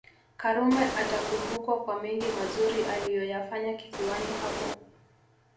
Karume atakumbukwa kwa mengi mazuri aliyoyafanya kisiwani hapo